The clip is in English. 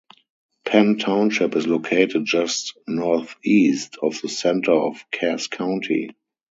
Penn Township is located just northeast of the center of Cass County.